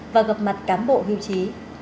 và gặp mặt cán bộ hiêu chí